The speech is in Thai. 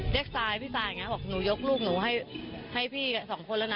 เรียกสายพี่สายอย่างเงี้ยบอกหนูยกลูกหนูให้ให้พี่สองคนแล้วนะ